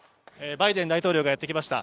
バイデン大統領がやってきました。